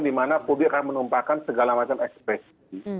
di mana publik akan menumpahkan segala macam ekspresi